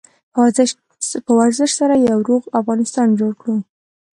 په ورزش سره یو روغ افغانستان جوړ کړو.